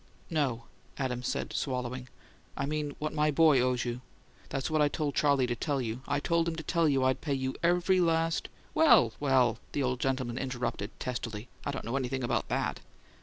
"No," Adams said, swallowing. "I mean what my boy owes you. That's what I told Charley to tell you. I told him to tell you I'd pay you every last " "Well, well!" the old gentleman interrupted, testily. "I don't know anything about that."